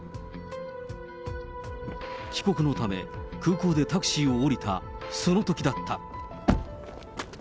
帰国のため、空港でタクシーを降りたそのときだった。